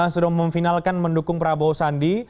sudah memfinalkan mendukung prabowo sandi